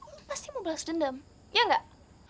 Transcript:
lu pasti mau balas dendam ya nggak